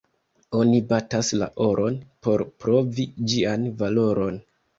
Oni batas la oron, por provi ĝian valoron.